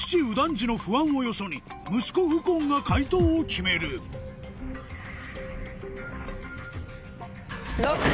次の不安をよそに息子右近が解答を決めるＬＯＣＫ！